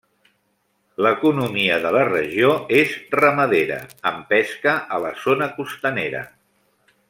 L'economia de la regió és ramadera, amb pesca a la zona costanera.